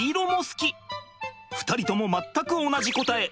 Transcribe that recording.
２人とも全く同じ答え。